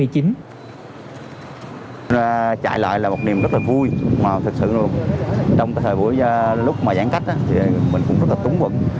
chạy lại là một niềm rất là vui mà thực sự trong cái thời buổi lúc mà giãn cách thì mình cũng rất là túng vận